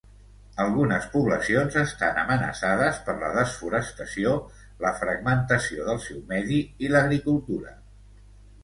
Algunes poblacions estan amenaçades per la desforestació, la fragmentació del seu medi i l'agricultura.